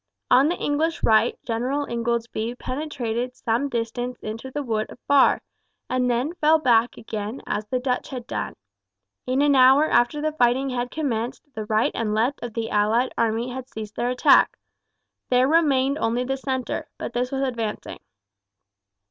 On the English right General Ingoldsby penetrated some distance into the wood of Barre, and then fell back again as the Dutch had done. In an hour after the fighting had commenced the right and left of the allied army had ceased their attack. There remained only the centre, but this was advancing.